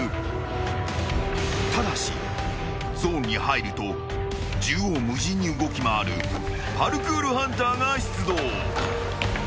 ［ただしゾーンに入ると縦横無尽に動き回るパルクールハンターが出動］